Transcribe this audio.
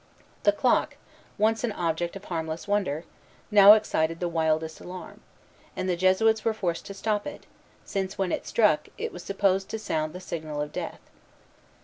The clock, once an object of harmless wonder, now excited the wildest alarm; and the Jesuits were forced to stop it, since, when it struck, it was supposed to sound the signal of death.